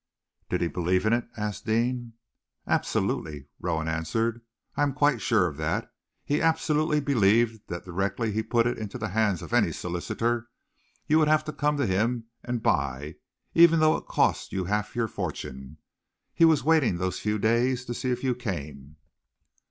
"Did he believe in it?" asked Deane. "Absolutely," Rowan answered. "I am quite sure of that. He absolutely believed that directly he put it into the hands of any solicitor, you would have to come to him and buy, even though it cost you half your fortune. He was waiting those few days to see if you came."